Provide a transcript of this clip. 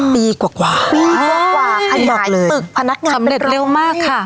ปีกว่าขยายตึกพนักงานไปไปร้อยสำเร็จเร็วมากค่ะ